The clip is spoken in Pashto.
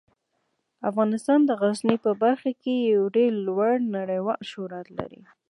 افغانستان د غزني په برخه کې یو ډیر لوړ نړیوال شهرت لري.